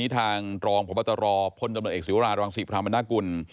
ทางรองประบาทรอพลเอกศริวาราโรงศิษย์พระมนาคุณ